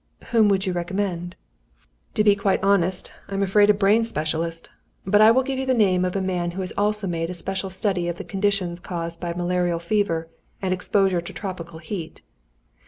"Whom would you recommend?" "To be quite honest, I am afraid a brain specialist. But I will give you the name of a man who has also made a special study of the conditions caused by malarial fever, and exposure to tropical heat."